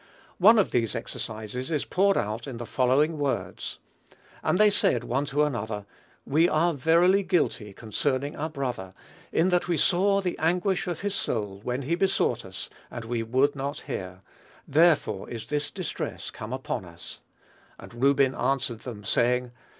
One of these exercises is poured out in the following words: "And they said one to another, We are verily guilty concerning our brother, in that we saw the anguish of his soul, when he besought us, and we would not hear; therefore is this distress come upon us. And Reuben answered them, saying.